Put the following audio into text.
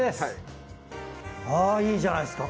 あいいじゃないですか。